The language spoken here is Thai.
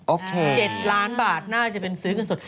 โอเค๗ล้านบาทน่าจะเป็นซื้อเงินสด